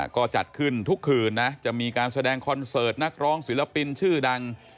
ก็จัดขึ้นทุกคืนนะจะมีการแสดงคอนเสิร์ตนักร้องศิลปินชื่อดัง